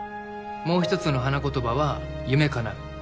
もう１つの花言葉は夢かなう。